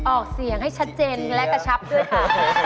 ออกเสียงให้ชัดเจนและกระชับด้วยค่ะ